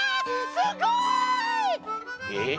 すごい！えっ？